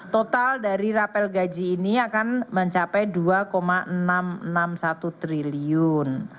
total dari rapel gaji ini akan mencapai dua enam ratus enam puluh satu triliun